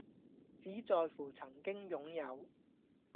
只在乎曾經擁有